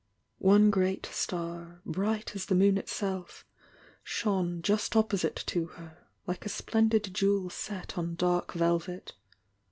One great star, bright as the moon itself, shone just opposite to her, like a splendid jewel set on dark velvet.